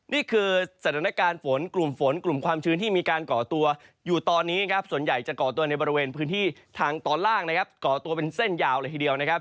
นี่คือสถานการณ์ฝนกลุ่มฝนกลุ่มความชื้นที่มีการก่อตัวอยู่ตอนนี้ครับส่วนใหญ่จะก่อตัวในบริเวณพื้นที่ทางตอนล่างนะครับก่อตัวเป็นเส้นยาวเลยทีเดียวนะครับ